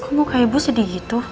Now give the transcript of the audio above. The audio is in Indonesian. kok muka ibu sedih gitu